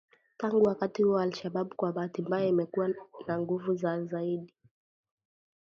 Tangu wakati huo al-Shabab kwa bahati mbaya imekuwa na nguvu zaidi